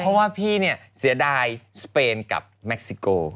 เพราะว่าพี่เนี่ยเสียดายสเปนกับแม็กซิโก